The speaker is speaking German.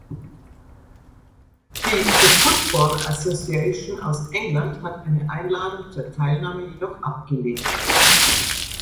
Die The Football Association aus England hat eine Einladung zur Teilnahme jedoch abgelehnt.